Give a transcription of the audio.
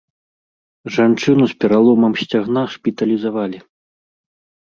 Жанчыну з пераломам сцягна шпіталізавалі.